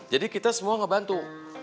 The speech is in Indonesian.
jadi kita semua ngebantu